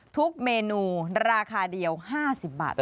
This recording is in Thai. ทุกเมนูราคาเดียว๕๐บาท